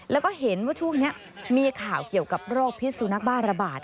แล้วก็เห็นว่าช่วงนี้มีข่าวเกี่ยวกับโรคพิษสุนัขบ้าระบาด